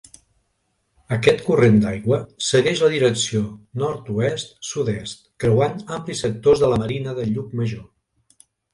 Aquest corrent d'aigua segueix la direcció nord-oest-sud-est, creuant amplis sectors de la Marina de Llucmajor.